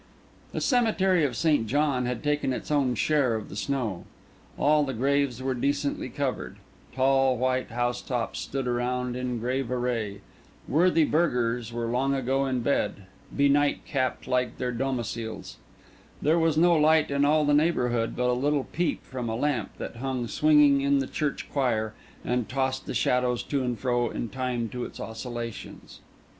The cemetery of St. John had taken its own share of the snow. All the graves were decently covered; tall white housetops stood around in grave array; worthy burghers were long ago in bed, benightcapped like their domiciles; there was no light in all the neighbourhood but a little peep from a lamp that hung swinging in the church choir, and tossed the shadows to and fro in time to its oscillations.